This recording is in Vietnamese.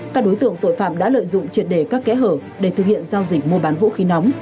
các đối tượng tội phạm đã lợi dụng triệt đề các kẽ hở để thực hiện giao dịch mua bán vũ khí nóng